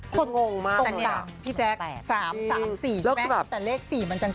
ตรงตามพี่แจ๊ค๓๓๔ใช่ไหมแต่เลข๔มันจาง